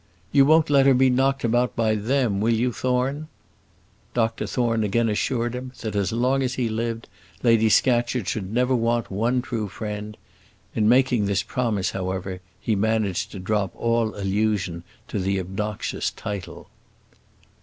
You won't let her be knocked about by them, will you, Thorne?" Dr Thorne again assured him, that as long as he lived Lady Scatcherd should never want one true friend; in making this promise, however, he managed to drop all allusion to the obnoxious title.